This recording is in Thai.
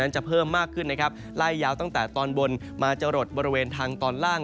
นั้นจะเพิ่มมากขึ้นใหญ่ครับร่ากี้ตัวเป็นตอนบนมาจรดบริเวณทางตอนล่าง